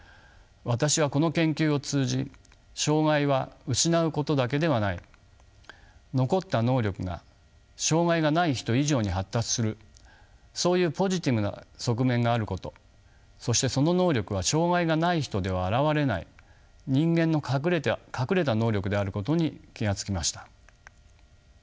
私はこの研究を通じ障がいは失うことだけではない残った能力が障がいがない人以上に発達するそういうポジティブな側面があることそしてその能力は障がいがない人では現れない人間の隠れた能力であることに気が付きました。